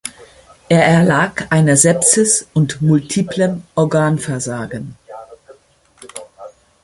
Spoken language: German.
Er erlag einer Sepsis und multiplem Organversagen.